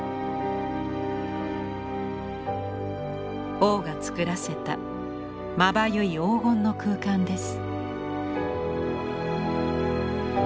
王が作らせたまばゆい黄金の空間です。